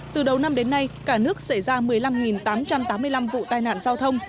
từ đầu năm đến nay cả nước xảy ra một mươi năm tám trăm tám mươi năm vụ tai nạn giao thông